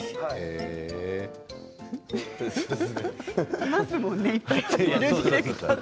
いますものね